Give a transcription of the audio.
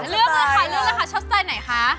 เลือกเลยค่ะชอบใจไหนคะ